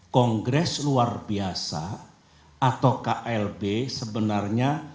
kongres luar biasa atau klb sebenarnya